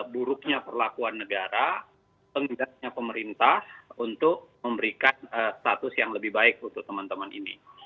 buruknya perlakuan negara penggiatnya pemerintah untuk memberikan status yang lebih baik untuk teman teman ini